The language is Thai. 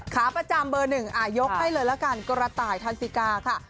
ขาประจำเบอร์หนึ่งยกให้เลยละกันกระต่ายทันสิกาค่ะ